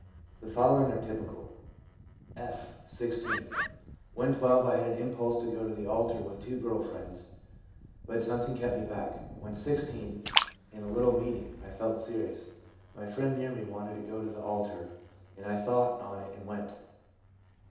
The following are typical :— F., 1 1 6. ( When 12 I had an impulse to go to the altar with two girl friends, but something kept me back. When 16, in a little meeting, I felt serious. My friend near me wanted me to go to the altar, and I thought on it and went.'